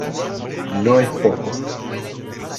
No es poco.